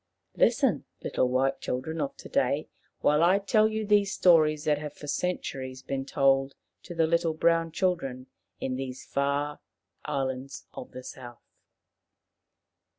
Listen, little white children of to day, while I tell you these stories that have for centuries been told to the little brown children in these far islands of the South.